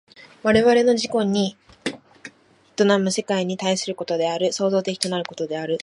我々の自己に臨む世界に対することである、創造的となることである。